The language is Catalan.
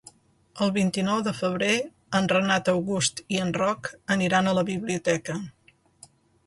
El vint-i-nou de febrer en Renat August i en Roc aniran a la biblioteca.